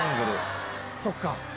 そっか。